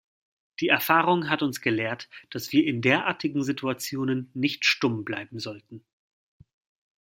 Die Erfahrung hat uns gelehrt, dass wir in derartigen Situationen nicht stumm bleiben sollten.